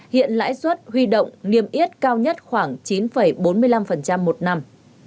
hiện lãi suất huy động niêm yết cao nhất khoảng chín bốn mươi năm một năm